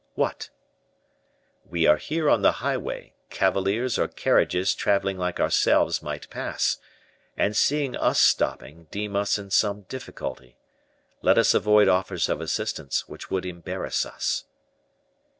"What?" "We are here on the highway; cavaliers or carriages traveling like ourselves might pass, and seeing us stopping, deem us in some difficulty. Let us avoid offers of assistance, which would embarrass us."